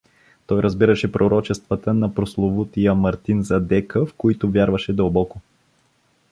Той разбираше пророчествата на прословутия Мартин Задека, в които вярваше дълбоко.